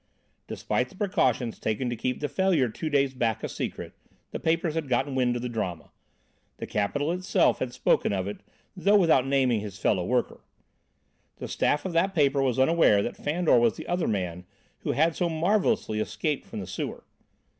Despite the precautions taken to keep the failure two days back a secret, the papers had got wind of the drama: The Capital itself had spoken of it, though without naming his fellow worker. The staff of that paper was unaware that Fandor was the other man who had so marvellously escaped from the sewer.